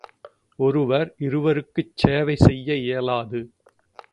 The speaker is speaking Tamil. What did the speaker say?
ஒருவர், இருவருக்குச் சேவை செய்ய இயலாது.